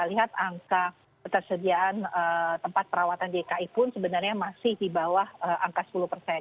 lihat angka ketersediaan tempat perawatan dki pun sebenarnya masih di bawah angka sepuluh persen